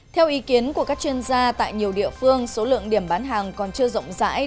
theo ý kiến của các chuyên gia tại nhiều địa phương số lượng điểm bán hàng còn chưa rộng rãi